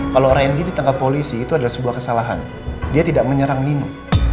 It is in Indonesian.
kalau randy ditangkap polisi itu adalah sebuah kesalahan dia tidak menyerang nino